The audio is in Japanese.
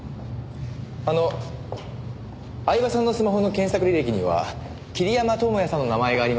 あの饗庭さんのスマホの検索履歴には桐山友哉さんの名前がありました。